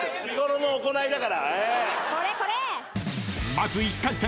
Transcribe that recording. ［まず１回戦。